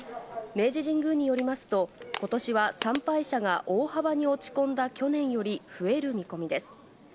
明治神宮によりますと、ことしは参拝者が大幅に落ち込んだ去年より増える見込みです。